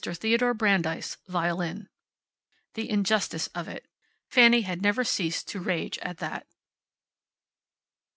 THEODORE BRANDEIS, Violin The injustice of it. Fanny had never ceased to rage at that.